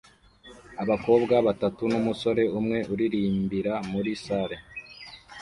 Abakobwa batatu n'umusore umwe uririmbira muri salle